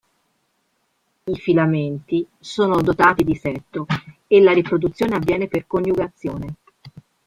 I filamenti sono dotati di setto e la riproduzione avviene per coniugazione.